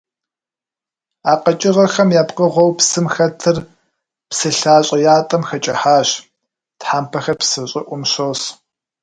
А къэкӀыгъэхэм я пкъыгъуэу псым хэтыр псы лъащӀэ ятӀэм хэкӀыхьащ, тхьэмпэхэр псы щӀыӀум щос.